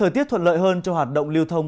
sẽ thuận lợi hơn cho hạt động liêu thông